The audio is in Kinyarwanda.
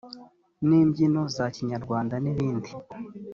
n imbyino za kinyarwanda n ibindi